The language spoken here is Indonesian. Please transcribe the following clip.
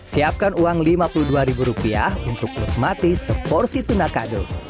siapkan uang lima puluh dua rupiah untuk menikmati seporsi tuna kado